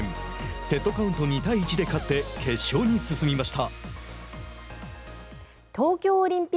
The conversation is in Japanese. セットカウント２対１で勝って決勝に進みました。